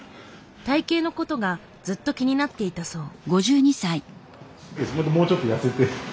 体型の事がずっと気になっていたそう。